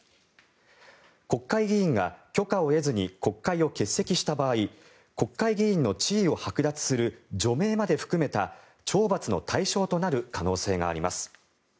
国会議員が許可を得ずに国会を欠席した場合国会議員の地位をはく奪する除名まで含めた懲罰の対象となる可能性があります。